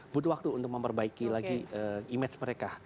butuh waktu untuk memperbaiki lagi image mereka